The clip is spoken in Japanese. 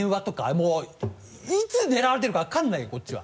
もういつ狙われてるか分からないこっちは。